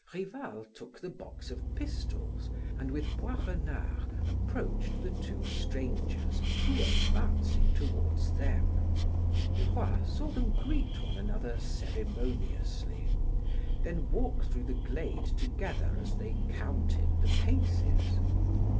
Rival took the box of pistols, and with Boisrenard approached the two strangers, who were advancing toward them. Duroy saw them greet one another ceremoniously, then walk through the glade together as they counted the paces.